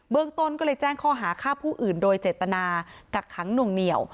ต้นก็เลยแจ้งข้อหาฆ่าผู้อื่นโดยเจตนากักขังหน่วงเหนียว